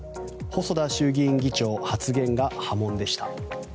細田衆議院議長発言が波紋でした。